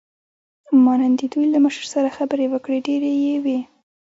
ما نن د دوی له مشر سره خبرې وکړې، ډېرې یې وې.